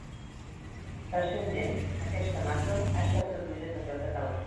Recentment, aquesta macro ha estat traduïda també al català.